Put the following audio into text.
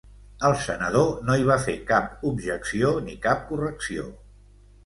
El senador no hi va fer cap objecció ni cap correcció.